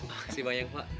makasih banyak pak